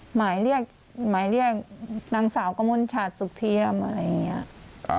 หมายเรียกนางสาวกมุญชาติสุขเทียมอะไรอย่างนี้